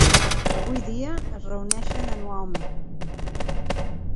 Avui dia, es reuneixen anualment.